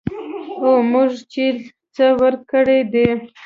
او موږ چې څه ورکړي دي